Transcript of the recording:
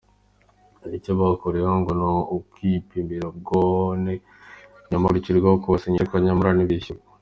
Icyo babakoreye ngo ni ukubapimira ubwone nyuma hakurikiraho kubasinyisha ariko nyamara ntibishyurwa.